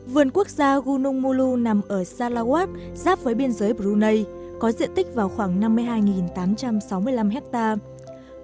vườn quốc gia gunung mulu nằm ở sarawak sát với biên giới brunei có diện tích vào khoảng năm mươi hai tám trăm sáu mươi năm hectare